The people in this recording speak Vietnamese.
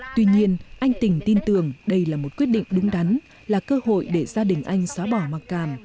tuy nhiên anh tình tin tưởng đây là một quyết định đúng đắn là cơ hội để gia đình anh xóa bỏ mặc cảm